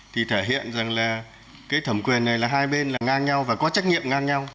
thì thể hiện rằng là cái thẩm quyền này là hai bên là ngang nhau và có trách nhiệm ngang nhau